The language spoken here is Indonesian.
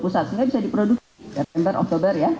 sehingga bisa diproduksi september oktober ya